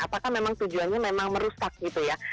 apakah memang tujuannya memang merusak gitu ya